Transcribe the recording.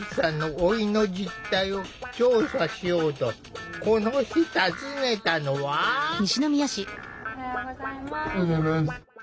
おはようございます。